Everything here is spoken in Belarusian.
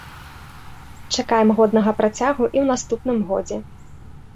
Чакаем годнага працягу і ў наступным годзе.